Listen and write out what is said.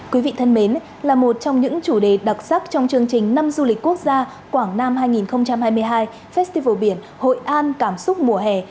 quý vị thân mến là một trong những chủ đề đặc sắc trong chương trình năm du lịch quốc gia quảng nam hai nghìn hai mươi hai festival biển hội an cảm xúc mùa hè